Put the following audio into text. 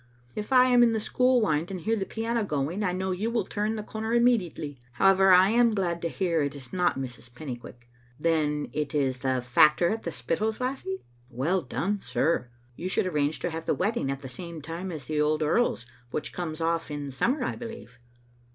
If I am in the school wynd and hear the piano going, I know you will turn the comer immediately. However, I am glad to hear it is not Miss Pennycuick. Then it is the factor at the Spittal's lassie? Well done, sir. You should arrange to have the wedding at the same time as the old earl's, which comes off in sum mer, I believe."